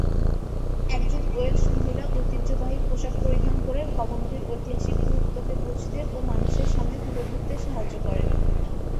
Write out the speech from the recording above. একজন ওয়েলশ মহিলা ঐতিহ্যবাহী পোশাক পরিধান করে ভবনটির ঐতিহাসিক গুরুত্ব কে বুঝতে ও মানুষের সামনে তুলে ধরতে সাহায্য করেন।